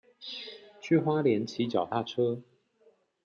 去花蓮騎腳踏車